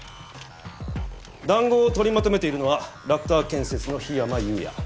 談合を取りまとめているのはラクター建設の樋山雄也。